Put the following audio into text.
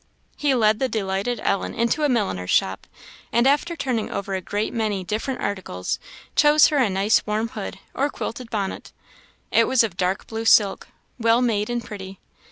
He led the delighted Ellen into a milliner's shop, and after turning over a great many different articles chose her a nice warm hood, or quilted bonnet. It was of dark blue silk, well made and pretty.